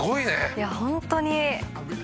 いやホントに。